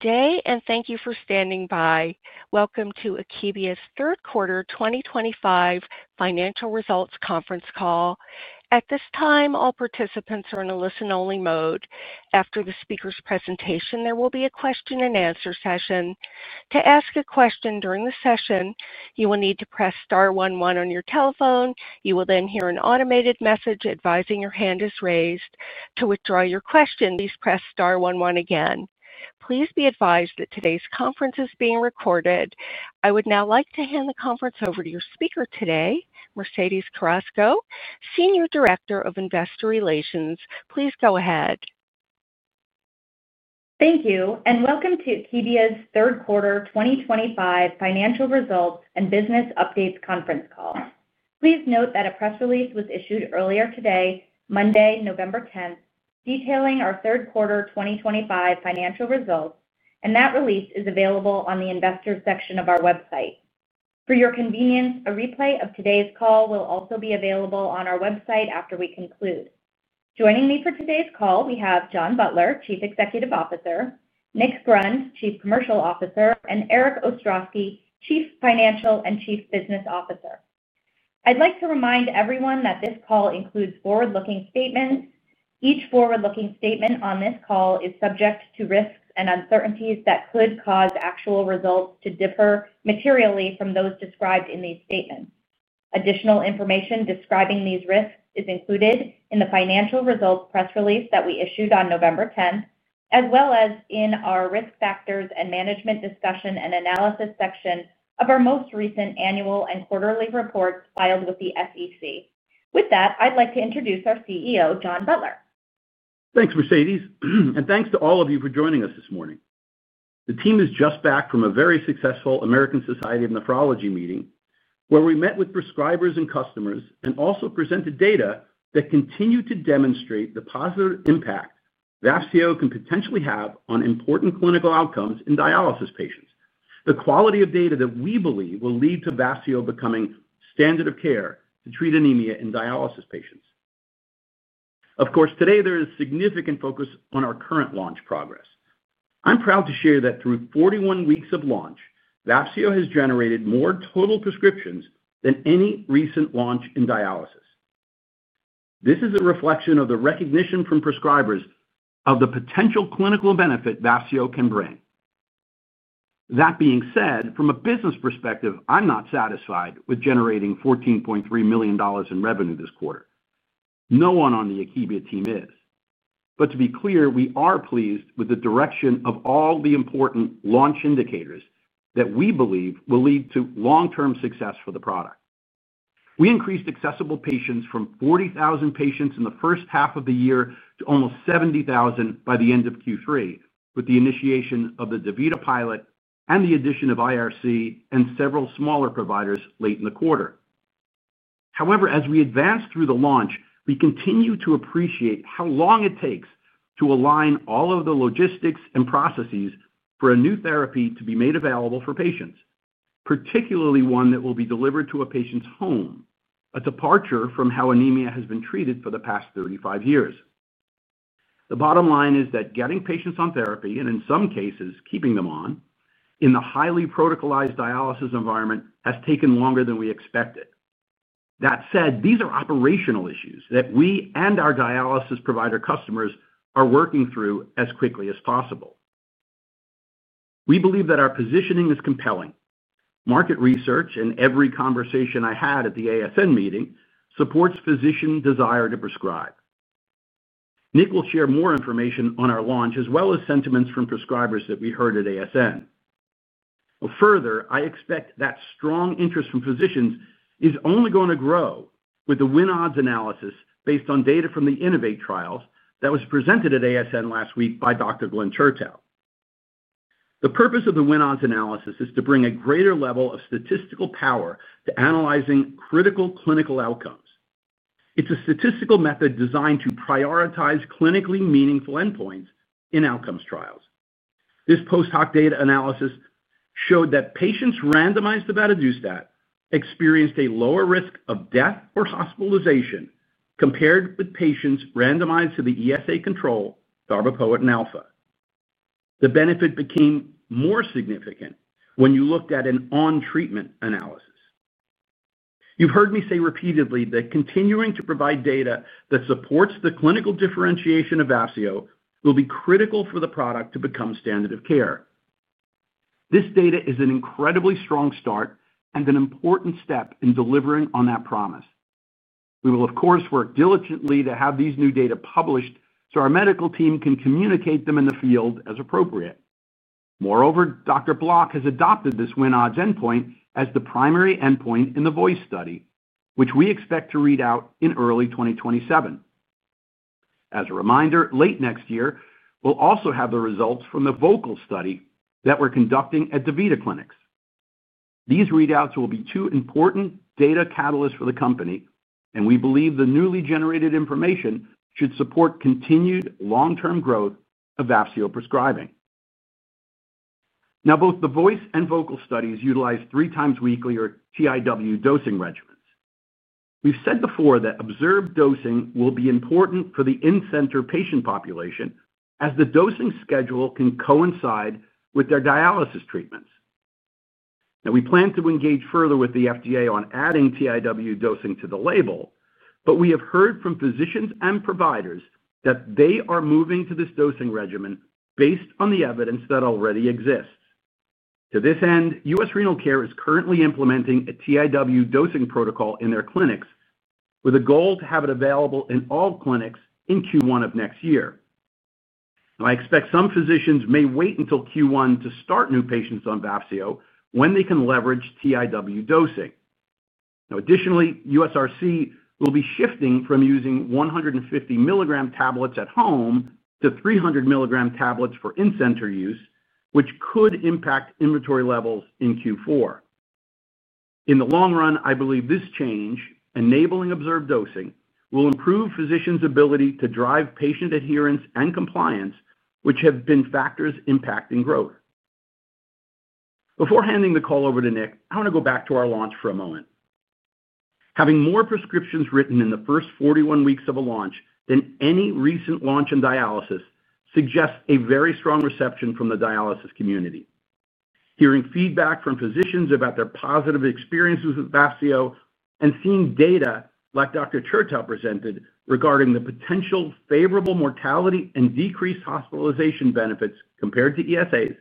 Today, and thank you for standing by. Welcome to Akebia's Third Quarter 2025 financial Results Conference Call. At this time, all participants are in a listen-only mode. After the speaker's presentation, there will be a question-and-answer session. To ask a question during the session, you will need to press star one one on your telephone. You will then hear an automated message advising your hand is raised. To withdraw your question, please press star one one again. Please be advised that today's conference is being recorded. I would now like to hand the conference over to your speaker today, Mercedes Carrasco, Senior Director of Investor Relations. Please go ahead. Thank you, and welcome to Akebia's Third Quarter 2025 Financial Results and Business Updates Conference Call. Please note that a press release was issued earlier today, Monday, November 10, detailing our third quarter 2025 financial results, and that release is available on the investor section of our website. For your convenience, a replay of today's call will also be available on our website after we conclude. Joining me for today's call, we have John Butler, Chief Executive Officer, Nick Grund, Chief Commercial Officer, and Eric Ostrowski, Chief Financial and Chief Business Officer. I'd like to remind everyone that this call includes forward-looking statements. Each forward-looking statement on this call is subject to risks and uncertainties that could cause actual results to differ materially from those described in these statements. Additional information describing these risks is included in the financial results press release that we issued on November 10th, as well as in our risk factors and management discussion and analysis section of our most recent annual and quarterly reports filed with the SEC. With that, I'd like to introduce our CEO, John Butler. Thanks, Mercedes, and thanks to all of you for joining us this morning. The team is just back from a very successful American Society of Nephrology meeting, where we met with prescribers and customers and also presented data that continue to demonstrate the positive impact Vafseo can potentially have on important clinical outcomes in dialysis patients. The quality of data that we believe will lead to Vafseo becoming standard of care to treat anemia in dialysis patients. Of course, today there is significant focus on our current launch progress. I'm proud to share that through 41 weeks of launch, Vafseo has generated more total prescriptions than any recent launch in dialysis. This is a reflection of the recognition from prescribers of the potential clinical benefit Vafseo can bring. That being said, from a business perspective, I'm not satisfied with generating $14.3 million in revenue this quarter. No one on the Akebia team is. To be clear, we are pleased with the direction of all the important launch indicators that we believe will lead to long-term success for the product. We increased accessible patients from 40,000 patients in the first half of the year to almost 70,000 by the end of Q3 with the initiation of the DaVita pilot and the addition of IRC and several smaller providers late in the quarter. However, as we advance through the launch, we continue to appreciate how long it takes to align all of the logistics and processes for a new therapy to be made available for patients, particularly one that will be delivered to a patient's home, a departure from how anemia has been treated for the past 35 years. The bottom line is that getting patients on therapy and, in some cases, keeping them on in the highly protocolized dialysis environment has taken longer than we expected. That said, these are operational issues that we and our dialysis provider customers are working through as quickly as possible. We believe that our positioning is compelling. Market research and every conversation I had at the ASN meeting supports physician desire to prescribe. Nick will share more information on our launch as well as sentiments from prescribers that we heard at ASN. Further, I expect that strong interest from physicians is only going to grow with the Win-Odds analysis based on data from the INNO2VATE trials that was presented at ASN last week by Dr. Glenn Chertow. The purpose of the Win-Odds analysis is to bring a greater level of statistical power to analyzing critical clinical outcomes. It's a statistical method designed to prioritize clinically meaningful endpoints in outcomes trials. This post-hoc data analysis showed that patients randomized to Vafseo experienced a lower risk of death or hospitalization compared with patients randomized to the ESA control, darbepoetin alfa. The benefit became more significant when you looked at an on-treatment analysis. You've heard me say repeatedly that continuing to provide data that supports the clinical differentiation of Vafseo will be critical for the product to become standard of care. This data is an incredibly strong start and an important step in delivering on that promise. We will, of course, work diligently to have these new data published so our medical team can communicate them in the field as appropriate. Moreover, Dr. Block has adopted this Win-Odds endpoint as the primary endpoint in the VOICE study, which we expect to read out in early 2027. As a reminder, late next year, we'll also have the results from the VOCAL study that we're conducting at DaVita clinics. These readouts will be two important data catalysts for the company, and we believe the newly generated information should support continued long-term growth of Vafseo prescribing. Now, both the VOICE and VOCAL studies utilize three-times weekly or TIW dosing regimens. We've said before that observed dosing will be important for the in-center patient population as the dosing schedule can coincide with their dialysis treatments. Now, we plan to engage further with the FDA on adding TIW dosing to the label, but we have heard from physicians and providers that they are moving to this dosing regimen based on the evidence that already exists. To this end, U.S. Renal Care is currently implementing a TIW dosing protocol in their clinics with a goal to have it available in all clinics in Q1 of next year. I expect some physicians may wait until Q1 to start new patients on Vafseo when they can leverage TIW dosing. Now, additionally, USRC will be shifting from using 150 mg tablets at home to 300 mg tablets for in-center use, which could impact inventory levels in Q4. In the long run, I believe this change, enabling observed dosing, will improve physicians' ability to drive patient adherence and compliance, which have been factors impacting growth. Before handing the call over to Nick, I want to go back to our launch for a moment. Having more prescriptions written in the first 41 weeks of a launch than any recent launch in dialysis suggests a very strong reception from the dialysis community. Hearing feedback from physicians about their positive experiences with Vafseo and seeing data like Dr. Chertow presented regarding the potential favorable mortality and decreased hospitalization benefits compared to ESAs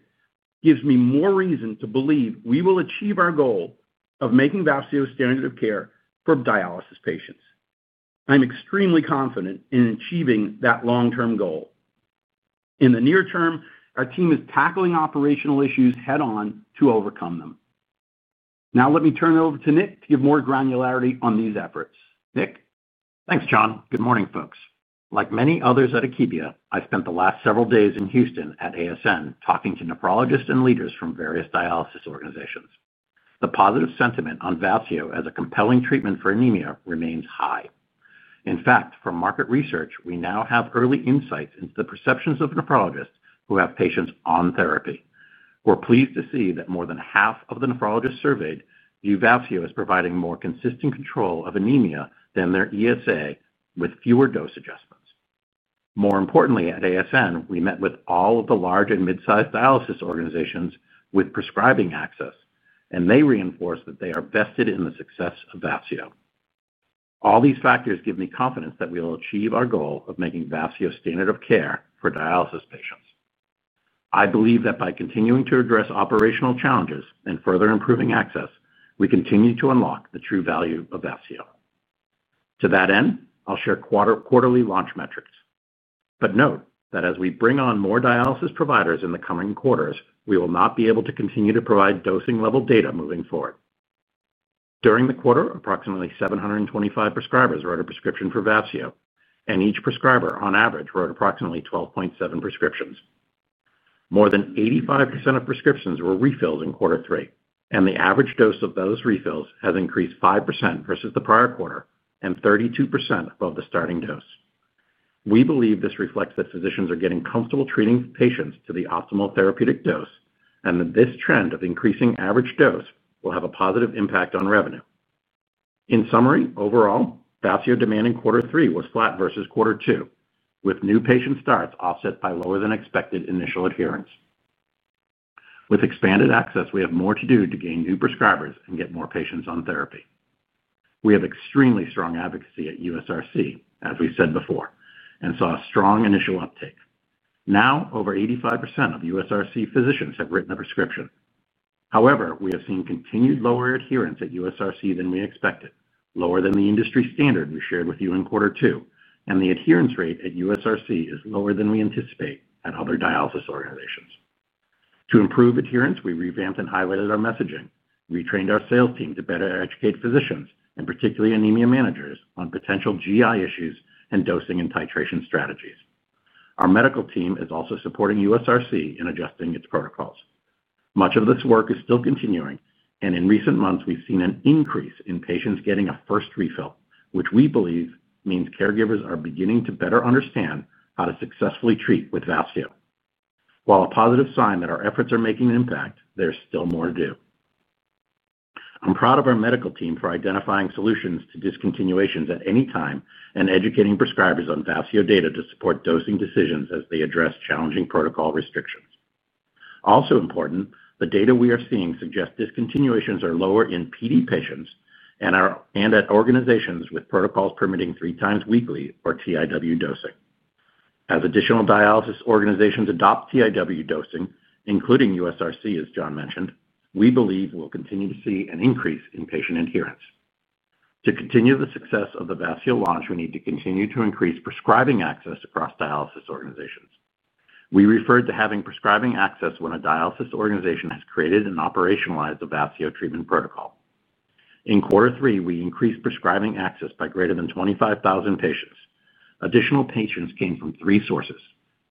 gives me more reason to believe we will achieve our goal of making Vafseo standard of care for dialysis patients. I'm extremely confident in achieving that long-term goal. In the near term, our team is tackling operational issues head-on to overcome them. Now, let me turn it over to Nick to give more granularity on these efforts. Nick? Thanks, John. Good morning, folks. Like many others at Akebia, I spent the last several days in Houston at ASN talking to nephrologists and leaders from various dialysis organizations. The positive sentiment on Vafseo as a compelling treatment for anemia remains high. In fact, from market research, we now have early insights into the perceptions of nephrologists who have patients on therapy. We're pleased to see that more than half of the nephrologists surveyed view Vafseo as providing more consistent control of anemia than their ESA with fewer dose adjustments. More importantly, at ASN, we met with all of the large and mid-sized dialysis organizations with prescribing access, and they reinforced that they are vested in the success of Vafseo. All these factors give me confidence that we'll achieve our goal of making Vafseo standard of care for dialysis patients. I believe that by continuing to address operational challenges and further improving access, we continue to unlock the true value of Vafseo. To that end, I'll share quarterly launch metrics. Note that as we bring on more dialysis providers in the coming quarters, we will not be able to continue to provide dosing-level data moving forward. During the quarter, approximately 725 prescribers wrote a prescription for Vafseo, and each prescriber, on average, wrote approximately 12.7 prescriptions. More than 85% of prescriptions were refills in quarter three, and the average dose of those refills has increased 5% versus the prior quarter and 32% above the starting dose. We believe this reflects that physicians are getting comfortable treating patients to the optimal therapeutic dose and that this trend of increasing average dose will have a positive impact on revenue. In summary, overall, Vafseo demand in quarter three was flat versus quarter two, with new patient starts offset by lower-than-expected initial adherence. With expanded access, we have more to do to gain new prescribers and get more patients on therapy. We have extremely strong advocacy at USRC, as we said before, and saw a strong initial uptake. Now, over 85% of USRC physicians have written a prescription. However, we have seen continued lower adherence at USRC than we expected, lower than the industry standard we shared with you in quarter two, and the adherence rate at USRC is lower than we anticipate at other dialysis organizations. To improve adherence, we revamped and highlighted our messaging. We trained our sales team to better educate physicians, and particularly anemia managers, on potential GI issues and dosing and titration strategies. Our medical team is also supporting USRC in adjusting its protocols. Much of this work is still continuing, and in recent months, we've seen an increase in patients getting a first refill, which we believe means caregivers are beginning to better understand how to successfully treat with Vafseo. While a positive sign that our efforts are making an impact, there's still more to do. I'm proud of our medical team for identifying solutions to discontinuations at any time and educating prescribers on Vafseo data to support dosing decisions as they address challenging protocol restrictions. Also important, the data we are seeing suggests discontinuations are lower in PD patients and at organizations with protocols permitting three times weekly or TIW dosing. As additional dialysis organizations adopt TIW dosing, including USRC, as John mentioned, we believe we'll continue to see an increase in patient adherence. To continue the success of the Vafseo launch, we need to continue to increase prescribing access across dialysis organizations. We referred to having prescribing access when a dialysis organization has created and operationalized a Vafseo treatment protocol. In quarter three, we increased prescribing access by greater than 25,000 patients. Additional patients came from three sources: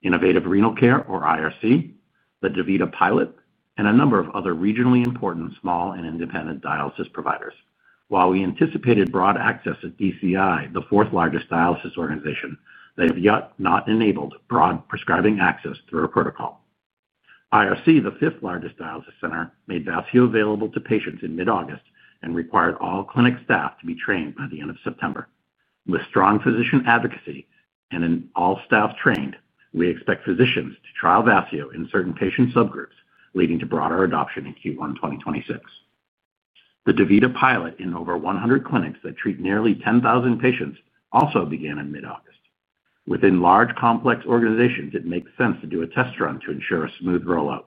Innovative Renal Care, or IRC, the DaVita pilot, and a number of other regionally important small and independent dialysis providers. While we anticipated broad access at DCI, the fourth-largest dialysis organization, they have yet not enabled broad prescribing access through a protocol. IRC, the fifth-largest dialysis center, made Vafseo available to patients in mid-August and required all clinic staff to be trained by the end of September. With strong physician advocacy and all staff trained, we expect physicians to trial Vafseo in certain patient subgroups, leading to broader adoption in Q1 2026. The DaVita pilot in over 100 clinics that treat nearly 10,000 patients also began in mid-August. Within large complex organizations, it makes sense to do a test run to ensure a smooth rollout.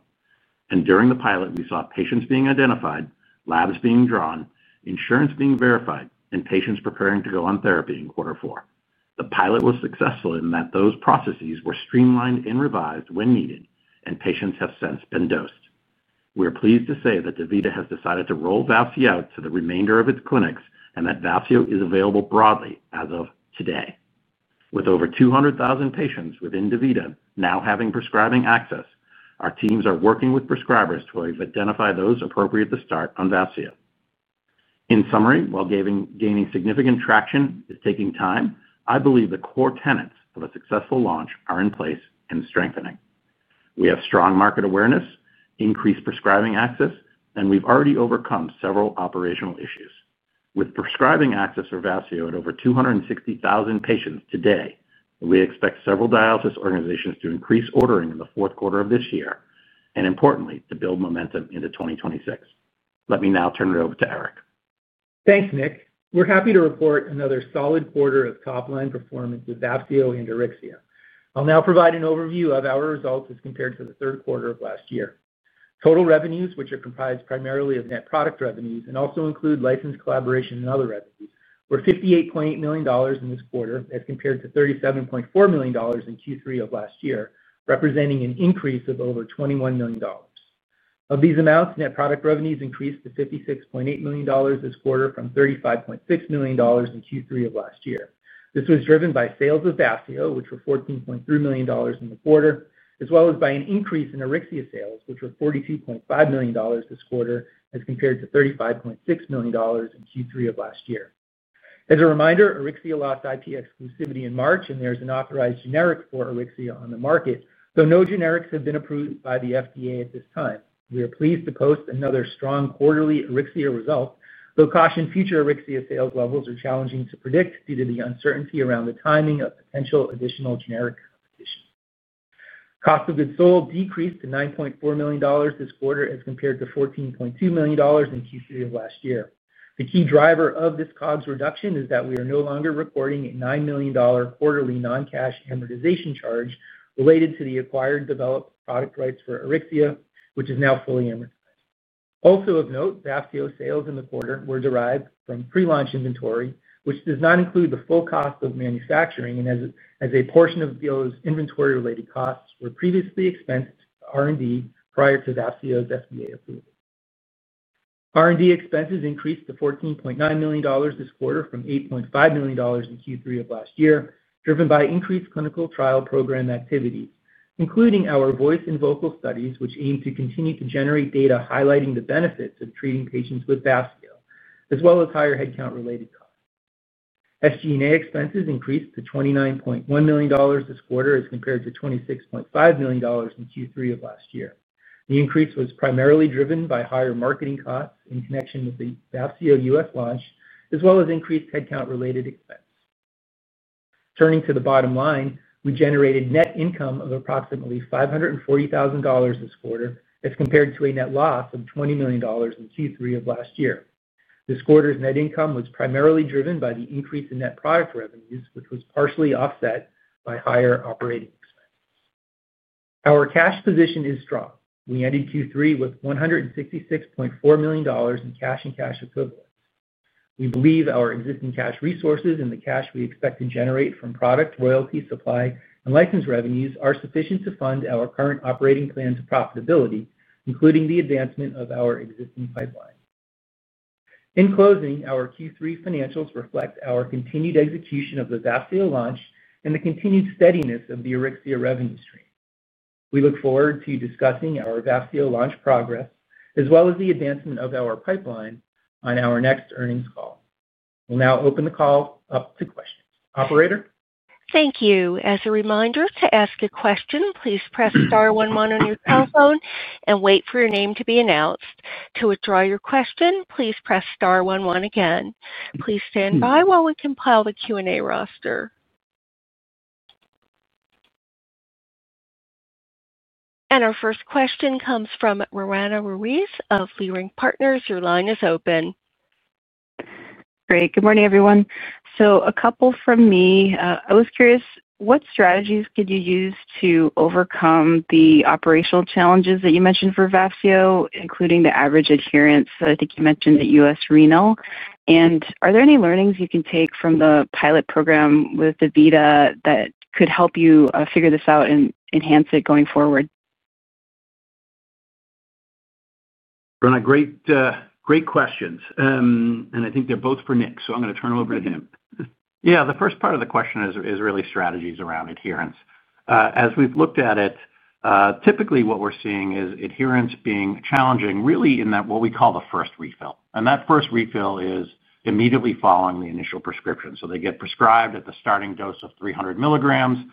During the pilot, we saw patients being identified, labs being drawn, insurance being verified, and patients preparing to go on therapy in quarter four. The pilot was successful in that those processes were streamlined and revised when needed, and patients have since been dosed. We're pleased to say that DaVita has decided to roll Vafseo out to the remainder of its clinics and that Vafseo is available broadly as of today. With over 200,000 patients within DaVita now having prescribing access, our teams are working with prescribers to identify those appropriate to start on Vafseo. In summary, while gaining significant traction is taking time, I believe the core tenets of a successful launch are in place and strengthening. We have strong market awareness, increased prescribing access, and we've already overcome several operational issues. With prescribing access for Vafseo at over 260,000 patients today, we expect several dialysis organizations to increase ordering in the fourth quarter of this year and, importantly, to build momentum into 2026. Let me now turn it over to Eric. Thanks, Nick. We're happy to report another solid quarter of top-line performance with Vafseo and AURYXIA. I'll now provide an overview of our results as compared to the third quarter of last year. Total revenues, which are comprised primarily of net product revenues and also include license collaboration and other revenues, were $58.8 million in this quarter as compared to $37.4 million in Q3 of last year, representing an increase of over $21 million. Of these amounts, net product revenues increased to $56.8 million this quarter from $35.6 million in Q3 of last year. This was driven by sales of Vafseo, which were $14.3 million in the quarter, as well as by an increase in AURYXIA sales, which were $42.5 million this quarter as compared to $35.6 million in Q3 of last year. As a reminder, AURYXIA lost IP exclusivity in March, and there is an authorized generic for AURYXIA on the market, though no generics have been approved by the FDA at this time. We are pleased to post another strong quarterly AURYXIA result, though caution future AURYXIA sales levels are challenging to predict due to the uncertainty around the timing of potential additional generic competition. Cost of goods sold decreased to $9.4 million this quarter as compared to $14.2 million in Q3 of last year. The key driver of this COGS reduction is that we are no longer reporting a $9 million quarterly non-cash amortization charge related to the acquired developed product rights for AURYXIA, which is now fully amortized. Also, of note, Vafseo sales in the quarter were derived from pre-launch inventory, which does not include the full cost of manufacturing, and as a portion of those inventory-related costs were previously expensed to R&D prior to Vafseo's FDA approval. R&D expenses increased to $14.9 million this quarter from $8.5 million in Q3 of last year, driven by increased clinical trial program activities, including our VOICE and VOCAL studies, which aim to continue to generate data highlighting the benefits of treating patients with Vafseo, as well as higher headcount-related costs. SG&A expenses increased to $29.1 million this quarter as compared to $26.5 million in Q3 of last year. The increase was primarily driven by higher marketing costs in connection with the Vafseo U.S. launch, as well as increased headcount-related expense. Turning to the bottom line, we generated net income of approximately $540,000 this quarter as compared to a net loss of $20 million in Q3 of last year. This quarter's net income was primarily driven by the increase in net product revenues, which was partially offset by higher operating expenses. Our cash position is strong. We ended Q3 with $166.4 million in cash and cash equivalents. We believe our existing cash resources and the cash we expect to generate from product, royalty, supply, and license revenues are sufficient to fund our current operating plans of profitability, including the advancement of our existing pipeline. In closing, our Q3 financials reflect our continued execution of the Vafseo launch and the continued steadiness of the AURYXIA revenue stream. We look forward to discussing our Vafseo launch progress, as well as the advancement of our pipeline on our next earnings call. We'll now open the call up to questions. Operator? Thank you. As a reminder to ask a question, please press star 11 on your cell phone and wait for your name to be announced. To withdraw your question, please press star 11 again. Please stand by while we compile the Q&A roster. Our first question comes from Roanna Ruiz of Leerink Partners. Your line is open. Great. Good morning, everyone. A couple from me. I was curious, what strategies could you use to overcome the operational challenges that you mentioned for Vafseo, including the average adherence? I think you mentioned that U.S. Renal. Are there any learnings you can take from the pilot program with DaVita that could help you figure this out and enhance it going forward? Rowena, great questions. I think they're both for Nick, so I'm going to turn it over to him. Yeah, the first part of the question is really strategies around adherence. As we've looked at it, typically what we're seeing is adherence being challenging really in that what we call the first refill. That first refill is immediately following the initial prescription. They get prescribed at the starting dose of 300 mg.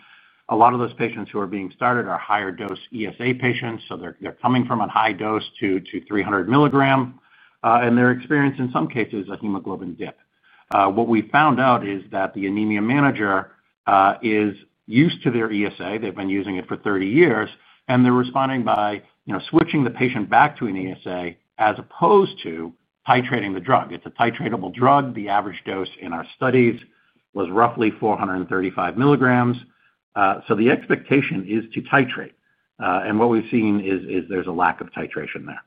A lot of those patients who are being started are higher dose ESA patients, so they're coming from a high dose to 300 mg, and they're experiencing in some cases a hemoglobin dip. What we found out is that the anemia manager is used to their ESA. They've been using it for 30 years, and they're responding by switching the patient back to an ESA as opposed to titrating the drug. It's a titratable drug. The average dose in our studies was roughly 435 mg. The expectation is to titrate. What we have seen is there is a lack of titration there.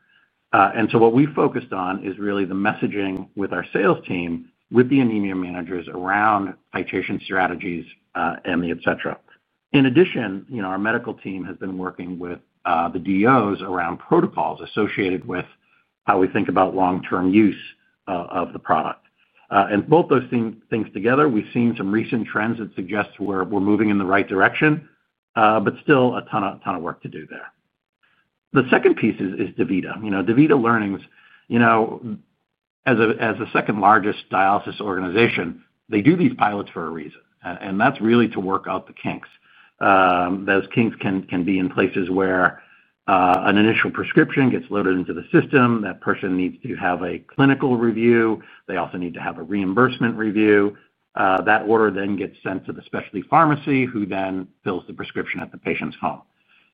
What we focused on is really the messaging with our sales team, with the anemia managers around titration strategies and the et cetera. In addition, our medical team has been working with the DOs around protocols associated with how we think about long-term use of the product. Both those things together, we have seen some recent trends that suggest we are moving in the right direction, but still a ton of work to do there. The second piece is DaVita. DaVita Learnings, as the second-largest dialysis organization, they do these pilots for a reason. That is really to work out the kinks. Those kinks can be in places where an initial prescription gets loaded into the system. That person needs to have a clinical review. They also need to have a reimbursement review. That order then gets sent to the specialty pharmacy, who then fills the prescription at the patient's home.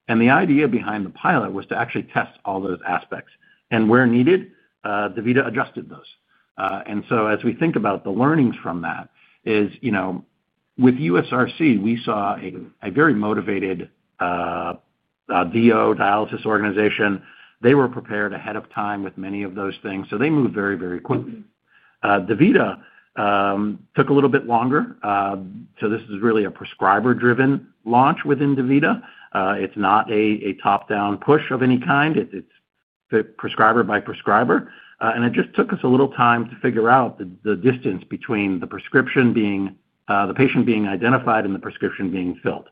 The idea behind the pilot was to actually test all those aspects. Where needed, DaVita adjusted those. As we think about the learnings from that, with USRC, we saw a very motivated dialysis organization. They were prepared ahead of time with many of those things, so they moved very, very quickly. DaVita took a little bit longer. This is really a prescriber-driven launch within DaVita. It's not a top-down push of any kind. It's prescriber by prescriber. It just took us a little time to figure out the distance between the patient being identified and the prescription being filled.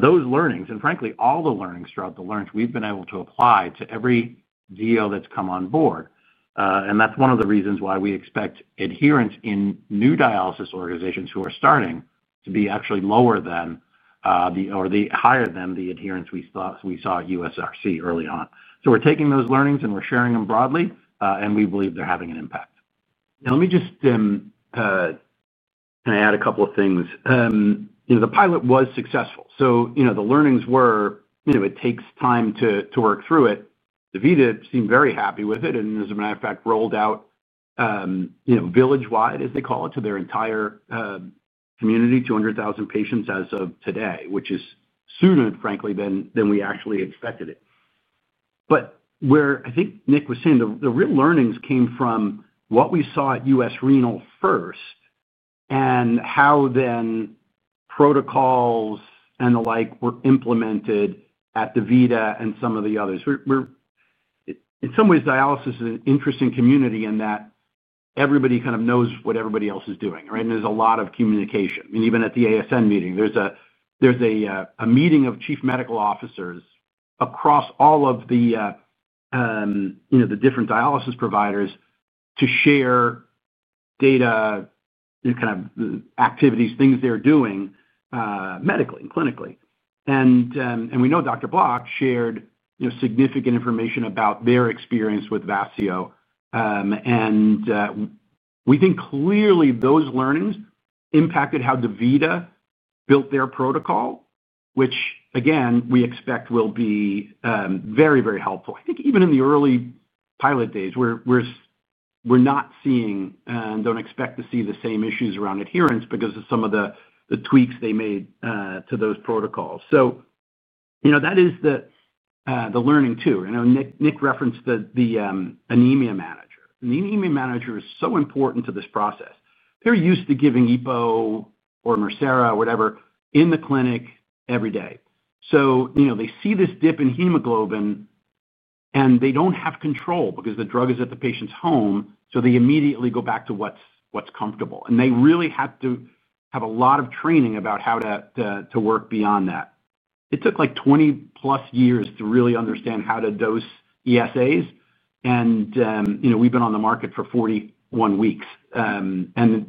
Those learnings, and frankly, all the learnings throughout the launch, we've been able to apply to every DO that's come on board. That's one of the reasons why we expect adherence in new dialysis organizations who are starting to be actually lower than or higher than the adherence we saw at USRC early on. We're taking those learnings and we're sharing them broadly, and we believe they're having an impact. Now, let me just add a couple of things. The pilot was successful. The learnings were, it takes time to work through it. DaVita seemed very happy with it and, as a matter of fact, rolled out village-wide, as they call it, to their entire community, 200,000 patients as of today, which is sooner, frankly, than we actually expected it. Where I think Nick was saying, the real learnings came from what we saw at US Renal first and how then protocols and the like were implemented at DaVita and some of the others. In some ways, dialysis is an interesting community in that everybody kind of knows what everybody else is doing, right? There is a lot of communication. I mean, even at the ASN meeting, there is a meeting of Chief Medical Officers across all of the different dialysis providers to share data, kind of activities, things they are doing medically and clinically. We know Dr. Block shared significant information about their experience with Vafseo. We think clearly those learnings impacted how DaVita built their protocol, which, again, we expect will be very, very helpful. I think even in the early pilot days, we're not seeing and don't expect to see the same issues around adherence because of some of the tweaks they made to those protocols. That is the learning too. Nick referenced the anemia manager. The anemia manager is so important to this process. They're used to giving EPO or MIRCERA, whatever, in the clinic every day. They see this dip in hemoglobin, and they don't have control because the drug is at the patient's home, so they immediately go back to what's comfortable. They really have to have a lot of training about how to work beyond that. It took like 20-plus years to really understand how to dose ESAs. We've been on the market for 41 weeks. I'm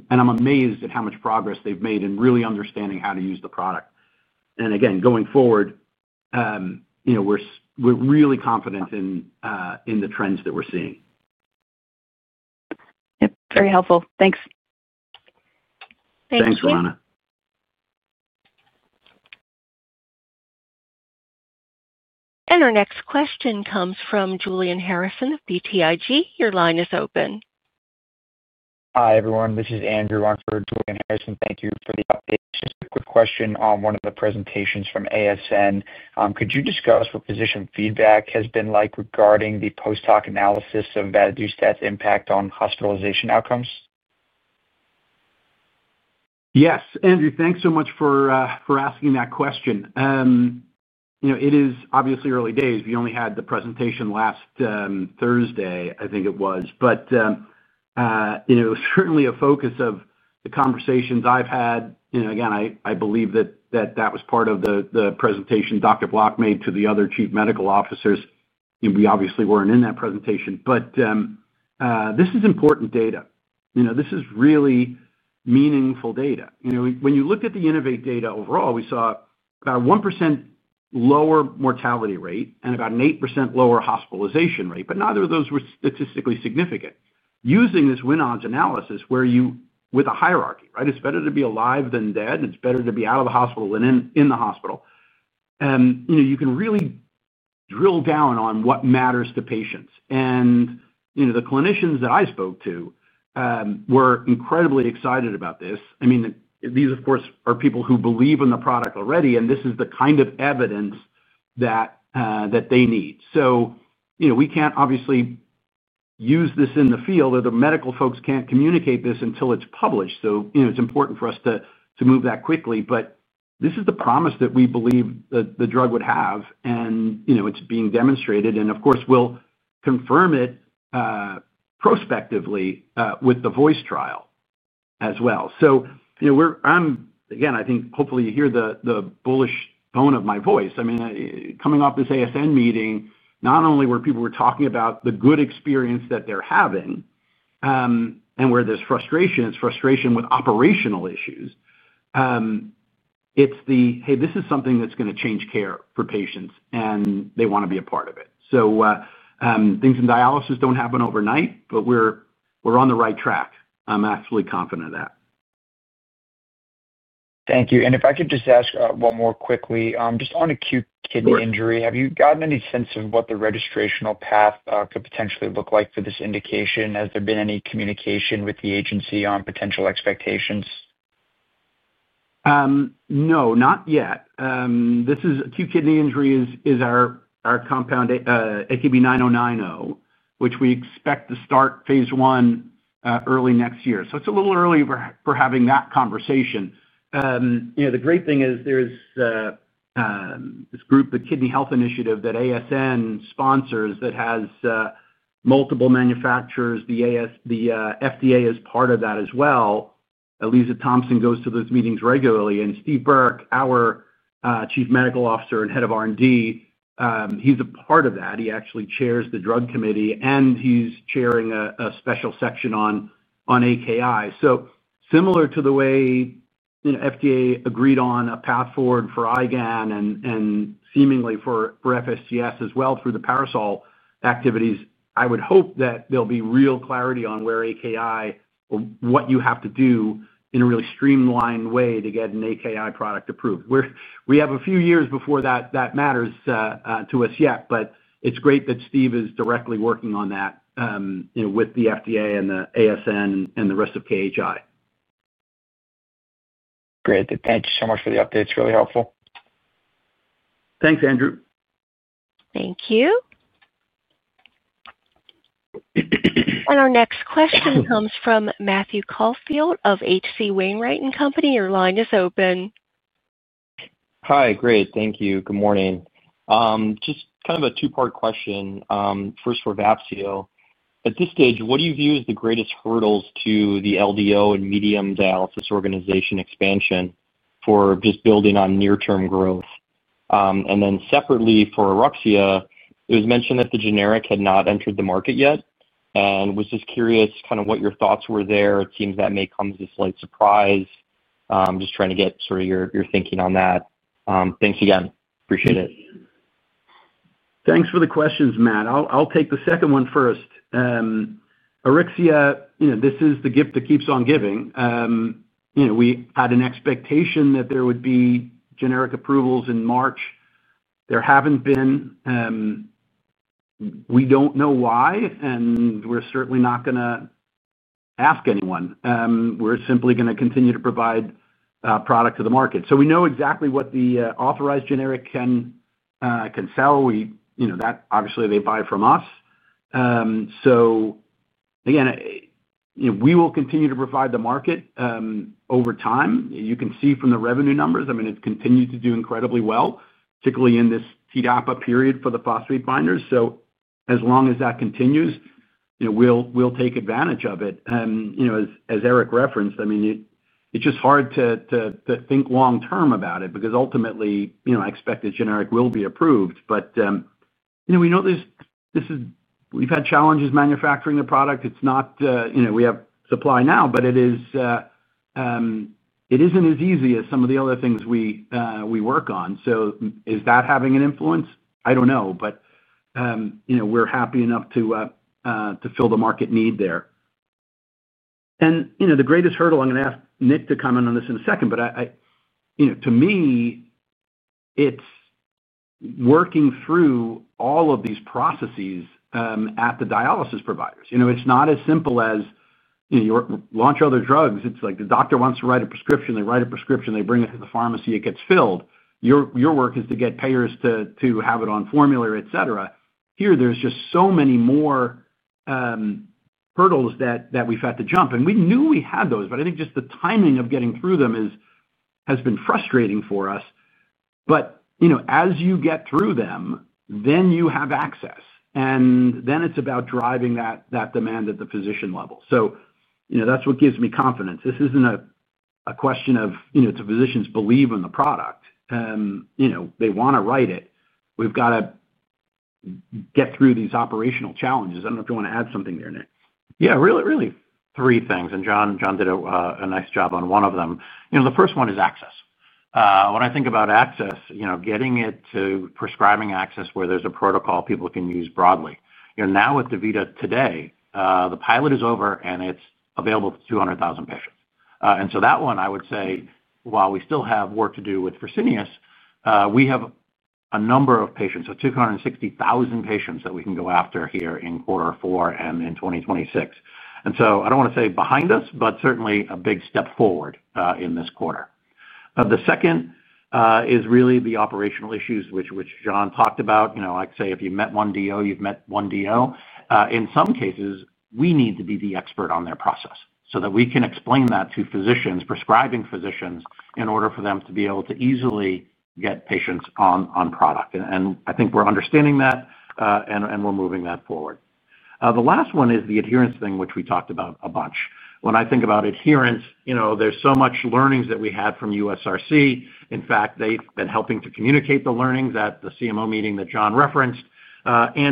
amazed at how much progress they've made in really understanding how to use the product. Again, going forward, we're really confident in the trends that we're seeing. Yep. Very helpful. Thanks. Thanks, Rowena. Our next question comes from Julian Harrison of BTIG. Your line is open. Hi, everyone. This is Andrew Rothenberg. Julian Harrison, thank you for the update. Just a quick question on one of the presentations from ASN. Could you discuss what physician feedback has been like regarding the post-hoc analysis of Vafseo's impact on hospitalization outcomes? Yes. Andrew, thanks so much for asking that question. It is obviously early days. We only had the presentation last Thursday, I think it was. Certainly a focus of the conversations I've had, again, I believe that that was part of the presentation Dr. Block made to the other Chief Medical Officers. We obviously were not in that presentation. This is important data. This is really meaningful data. When you look at the INNO2VATE data overall, we saw about a 1% lower mortality rate and about an 8% lower hospitalization rate. Neither of those were statistically significant. Using this Win-Odds analysis where you with a hierarchy, right? It is better to be alive than dead. It is better to be out of the hospital than in the hospital. You can really drill down on what matters to patients. The clinicians that I spoke to were incredibly excited about this. I mean, these, of course, are people who believe in the product already, and this is the kind of evidence that they need. We cannot obviously use this in the field, or the medical folks cannot communicate this until it is published. It is important for us to move that quickly. This is the promise that we believe the drug would have, and it is being demonstrated. We will confirm it prospectively with the voice trial as well. I think hopefully you hear the bullish tone of my voice. I mean, coming off this ASN meeting, not only were people talking about the good experience that they are having and where there is frustration, it is frustration with operational issues. It's the, "Hey, this is something that's going to change care for patients, and they want to be a part of it." Things in dialysis don't happen overnight, but we're on the right track. I'm absolutely confident of that. Thank you. If I could just ask one more quickly, just on acute kidney injury, have you gotten any sense of what the registrational path could potentially look like for this indication? Has there been any communication with the agency on potential expectations? No, not yet. This is acute kidney injury, it is our compound AKB-9090, which we expect to start phase one early next year. It is a little early for having that conversation. The great thing is there is this group, the Kidney Health Initiative, that ASN sponsors that has multiple manufacturers. The FDA is part of that as well. Lisa Thompson goes to those meetings regularly. Steve Burke, our Chief Medical Officer and Head of R&D, he is a part of that. He actually chairs the drug committee, and he is chairing a special section on AKI. Similar to the way FDA agreed on a path forward for IgAN, and seemingly for FSCS as well through the Parasol activities, I would hope that there will be real clarity on where AKI, what you have to do in a really streamlined way to get an AKI product approved. We have a few years before that matters to us yet, but it's great that Steve is directly working on that with the FDA and the ASN and the rest of KHI. Great. Thank you so much for the updates. Really helpful. Thanks, Andrew. Thank you. Our next question comes from Matthew Caulfield of H.C. Wainwright & Company. Your line is open. Hi. Great. Thank you. Good morning. Just kind of a two-part question. First, for Vafseo, at this stage, what do you view as the greatest hurdles to the LDO and medium dialysis organization expansion for just building on near-term growth? Then separately, for AURYXIA, it was mentioned that the generic had not entered the market yet. Was just curious kind of what your thoughts were there. It seems that may come as a slight surprise. Just trying to get sort of your thinking on that. Thanks again. Appreciate it. Thanks for the questions, Matt. I'll take the second one first. AURYXIA, this is the gift that keeps on giving. We had an expectation that there would be generic approvals in March. There have not been. We do not know why, and we are certainly not going to ask anyone. We are simply going to continue to provide product to the market. We know exactly what the authorized generic can sell. Obviously, they buy from us. Again, we will continue to provide the market over time. You can see from the revenue numbers, I mean, it has continued to do incredibly well, particularly in this Tdap period for the phosphate binders. As long as that continues, we will take advantage of it. As Eric referenced, I mean, it is just hard to think long-term about it because ultimately, I expect the generic will be approved. We know this is—we've had challenges manufacturing the product. It's not—we have supply now, but it isn't as easy as some of the other things we work on. Is that having an influence? I don't know. We're happy enough to fill the market need there. The greatest hurdle—I'm going to ask Nick to comment on this in a second—but to me, it's working through all of these processes at the dialysis providers. It's not as simple as you launch other drugs. It's like the doctor wants to write a prescription. They write a prescription. They bring it to the pharmacy. It gets filled. Your work is to get payers to have it on formulary, etc. Here, there's just so many more hurdles that we've had to jump. We knew we had those, but I think just the timing of getting through them has been frustrating for us. As you get through them, then you have access. It is about driving that demand at the physician level. That is what gives me confidence. This is not a question of, "Do physicians believe in the product?" They want to write it. We have to get through these operational challenges. I do not know if you want to add something there, Nick. Yeah. Really, really three things. John did a nice job on one of them. The first one is access. When I think about access, getting it to prescribing access where there's a protocol people can use broadly. Now with DaVita today, the pilot is over, and it's available to 200,000 patients. That one, I would say, while we still have work to do with Fresenius, we have a number of patients, so 260,000 patients that we can go after here in quarter four and in 2026. I don't want to say behind us, but certainly a big step forward in this quarter. The second is really the operational issues, which John talked about. I'd say if you met one DO, you've met one DO. In some cases, we need to be the expert on their process so that we can explain that to physicians, prescribing physicians, in order for them to be able to easily get patients on product. I think we're understanding that, and we're moving that forward. The last one is the adherence thing, which we talked about a bunch. When I think about adherence, there's so much learnings that we had from USRC. In fact, they've been helping to communicate the learnings at the CMO meeting that John referenced.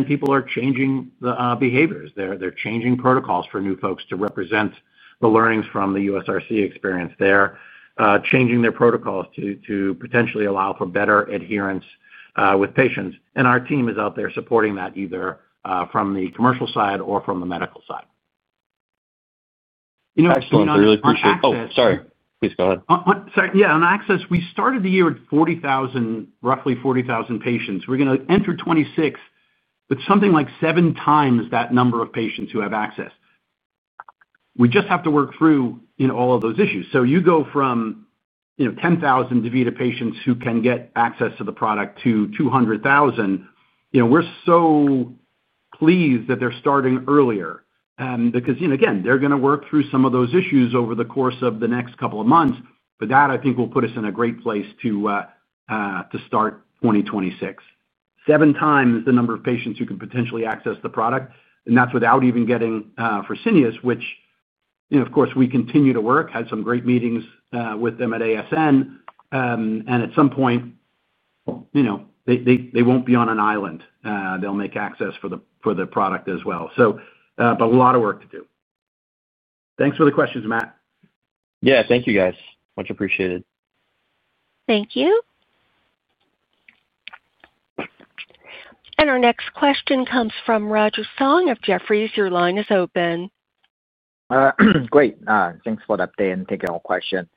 People are changing the behaviors. They're changing protocols for new folks to represent the learnings from the USRC experience there, changing their protocols to potentially allow for better adherence with patients. Our team is out there supporting that either from the commercial side or from the medical side. I really appreciate it. Oh, sorry. Please go ahead. Yeah. On access, we started the year at roughly 40,000 patients. We're going to enter 2026 with something like seven times that number of patients who have access. We just have to work through all of those issues. You go from 10,000 DaVita patients who can get access to the product to 200,000. We're so pleased that they're starting earlier because, again, they're going to work through some of those issues over the course of the next couple of months. That, I think, will put us in a great place to start 2026. Seven times the number of patients who can potentially access the product. That's without even getting Fresenius, which, of course, we continue to work. Had some great meetings with them at ASN. At some point, they won't be on an island. They'll make access for the product as well. A lot of work to do. Thanks for the questions, Matt. Yeah. Thank you, guys. Much appreciated. Thank you. Our next question comes from Roger Song of Jefferies. Your line is open. Great. Thanks for the update and taking our question.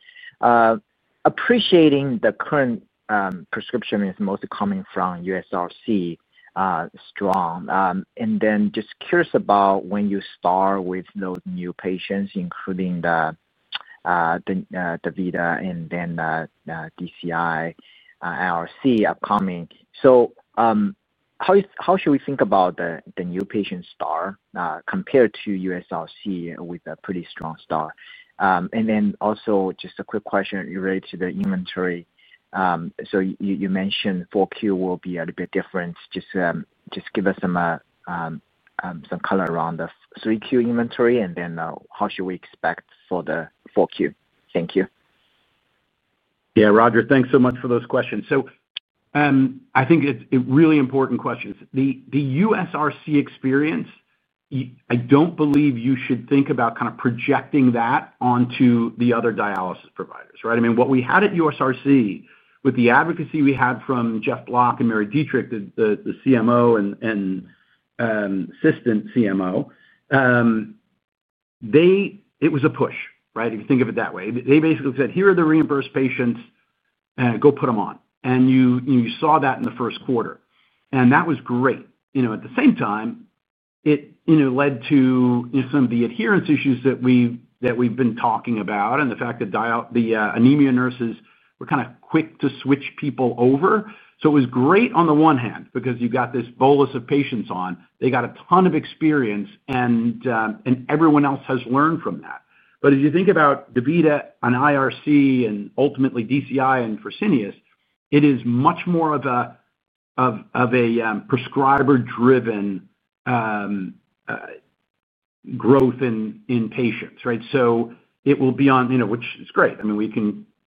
Appreciating the current prescription is mostly coming from USRC, strong. Just curious about when you start with those new patients, including the DaVita and then DCI, NRC upcoming. How should we think about the new patient start compared to USRC with a pretty strong start? Also, just a quick question related to the inventory. You mentioned 4Q will be a little bit different. Just give us some color around the 3Q inventory, and then how should we expect for the 4Q? Thank you. Yeah. Roger, thanks so much for those questions. I think it's really important questions. The USRC experience, I don't believe you should think about kind of projecting that onto the other dialysis providers, right? I mean, what we had at USRC with the advocacy we had from Geoff Block and Mary Dittrich, the CMO and Assistant CMO, it was a push, right? If you think of it that way. They basically said, "Here are the reimbursed patients. Go put them on." You saw that in the first quarter. That was great. At the same time, it led to some of the adherence issues that we've been talking about and the fact that the anemia nurses were kind of quick to switch people over. It was great on the one hand because you got this bolus of patients on. They got a ton of experience, and everyone else has learned from that. As you think about DaVita and IRC and ultimately DCI and Fresenius, it is much more of a prescriber-driven growth in patients, right? It will be on, which is great. I mean, we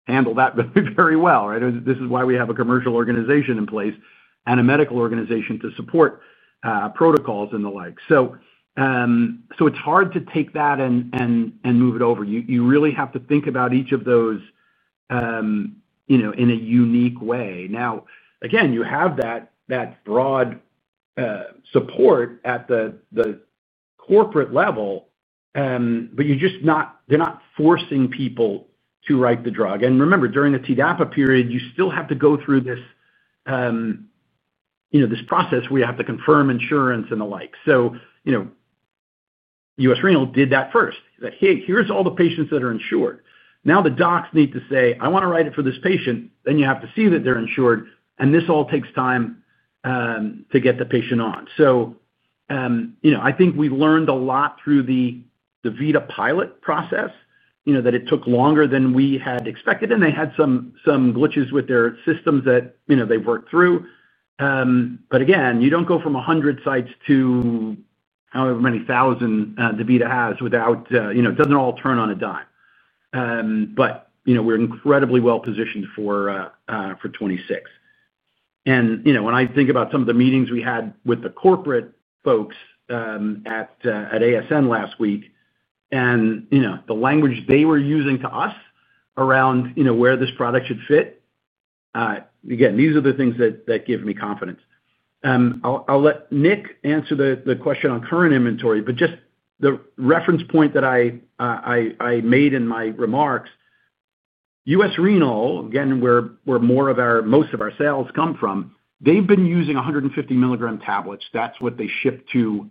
can handle that very well, right? This is why we have a commercial organization in place and a medical organization to support protocols and the like. It is hard to take that and move it over. You really have to think about each of those in a unique way. Now, again, you have that broad support at the corporate level, but they are not forcing people to write the drug. Remember, during the Tdap period, you still have to go through this process where you have to confirm insurance and the like. U.S. Renal did that first. Hey, here's all the patients that are insured." Now the docs need to say, "I want to write it for this patient." Then you have to see that they're insured. This all takes time to get the patient on. I think we've learned a lot through the DaVita pilot process that it took longer than we had expected. They had some glitches with their systems that they've worked through. You do not go from 100 sites to however many thousand DaVita has without it does not all turn on a dime. We're incredibly well positioned for 2026. When I think about some of the meetings we had with the corporate folks at ASN last week and the language they were using to us around where this product should fit, these are the things that give me confidence. I'll let Nick answer the question on current inventory, but just the reference point that I made in my remarks. U.S. Renal, again, where most of our sales come from, they've been using 150 tablets. That's what they ship to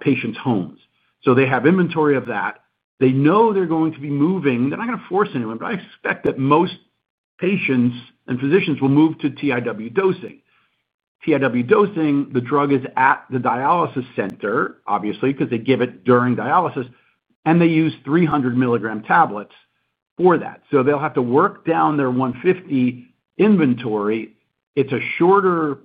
patients' homes. So they have inventory of that. They know they're going to be moving. They're not going to force anyone, but I expect that most patients and physicians will move to TIW dosing. TIW dosing, the drug is at the dialysis center, obviously, because they give it during dialysis, and they use 300 mg tablets for that. So they'll have to work down their 150 inventory. It's a shorter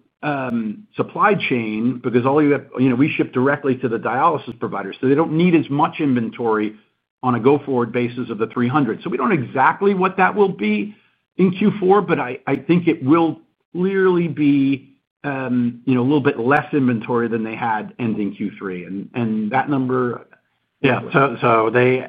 supply chain because all you have, we ship directly to the dialysis providers. So they don't need as much inventory on a go-forward basis of the 300. We do not know exactly what that will be in Q4, but I think it will clearly be a little bit less inventory than they had ending Q3. And that number. Yeah.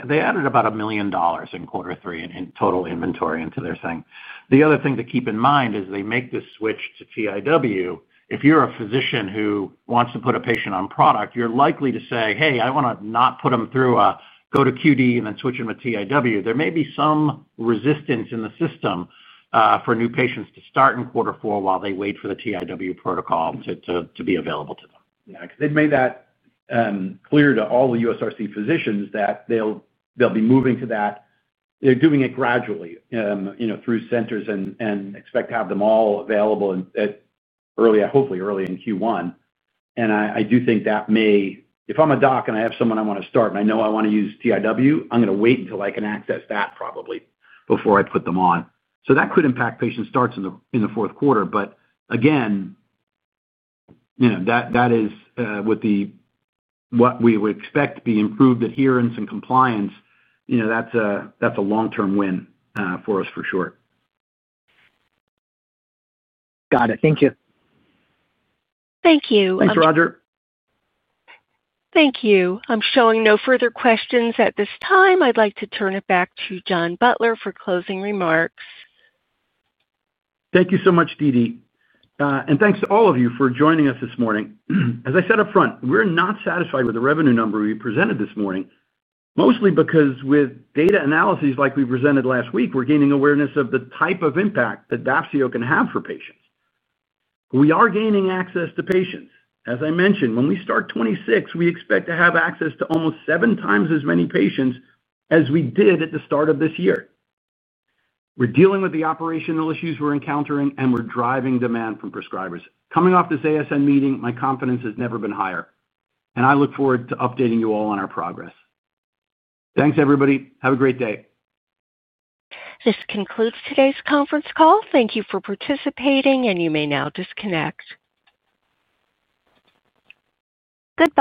They added about $1 million in quarter three in total inventory into their thing. The other thing to keep in mind is they make this switch to TIW. If you're a physician who wants to put a patient on product, you're likely to say, "Hey, I want to not put them through a go to QD and then switch them to TIW." There may be some resistance in the system for new patients to start in quarter four while they wait for the TIW protocol to be available to them. Yeah. Because they've made that clear to all the USRC physicians that they'll be moving to that. They're doing it gradually through centers and expect to have them all available hopefully early in Q1. I do think that may, if I'm a doc and I have someone I want to start and I know I want to use TIW, I'm going to wait until I can access that probably before I put them on. That could impact patient starts in the fourth quarter. Again, that is what we would expect to be improved adherence and compliance. That's a long-term win for us for sure. Got it. Thank you. Thank you. Thanks, Roger. Thank you. I'm showing no further questions at this time. I'd like to turn it back to John Butler for closing remarks. Thank you so much, DD. Thank you to all of you for joining us this morning. As I said upfront, we're not satisfied with the revenue number we presented this morning, mostly because with data analyses like we presented last week, we're gaining awareness of the type of impact that Vafseo can have for patients. We are gaining access to patients. As I mentioned, when we start 2026, we expect to have access to almost seven times as many patients as we did at the start of this year. We're dealing with the operational issues we're encountering, and we're driving demand from prescribers. Coming off this ASN meeting, my confidence has never been higher. I look forward to updating you all on our progress. Thanks, everybody. Have a great day. This concludes today's conference call. Thank you for participating, and you may now disconnect. Good.